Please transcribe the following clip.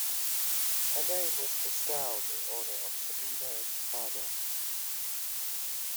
Her name was bestowed in honor of Sabina and her father.